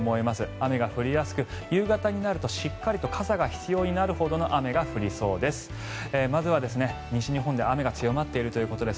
雨が降りやすく夕方になるとしっかりと傘が必要になるほどの雨が降りそうです。